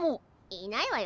いないわよ